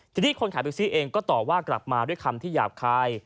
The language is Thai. ทีนี้คนขายเบ็กซี่เองก็ต่อว่ากลับมาด้วยคำที่หยาบคาย